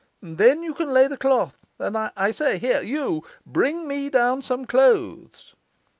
And then you can lay the cloth. And, I say here, you! bring me down some clothes.